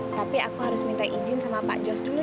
tapi aku harus minta izin sama pak jos dulu